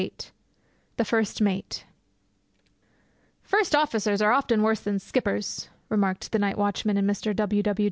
VIII THE FIRST MATE 'First officers are often worse than skippers,' remarked the night watchman in Mr. W. W.